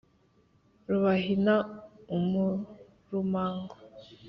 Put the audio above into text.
rubahina umurumango